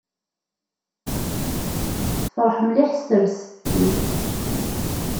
Tefreḥ mliḥ s terzeft-iw.